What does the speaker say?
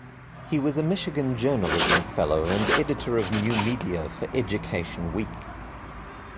He was a Michigan Journalism Fellow and editor of new media for "Education Week".